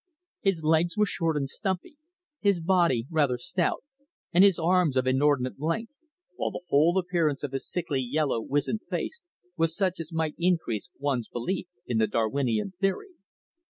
His legs were short and stumpy, his body rather stout, and his arms of inordinate length, while the whole appearance of his sickly, yellow, wizened face was such as might increase one's belief in the Darwinian theory.